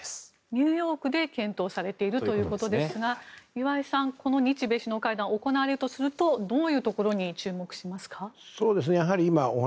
ニューヨークで検討されているということですが岩井さん、この日米首脳会談行われるとするとどういうところに注目しますか。